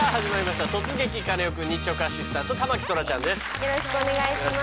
よろしくお願いします。